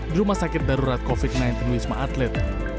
di rumah sakit darurat covid sembilan belas wisma atlet